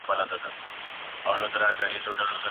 هیڅ څوک د قانون په وړاندې لوړ نه و.